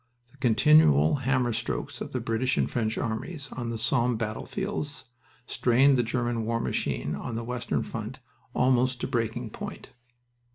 The continual hammer strokes of the British and French armies on the Somme battlefields strained the German war machine on the western front almost to breaking point.